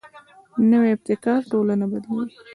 نوی ابتکار ټولنه بدلوي